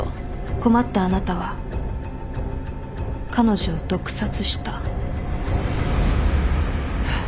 困ったあなたは彼女を毒殺した。